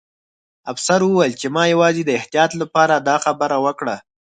افسر وویل چې ما یوازې د احتیاط لپاره دا خبره وکړه